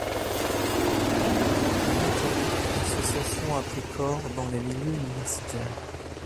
En Italie, l’association a pris corps dans les milieux universitaires.